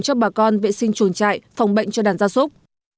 cho bà con vệ sinh chuồng trại phòng bệnh cho đàn gia súc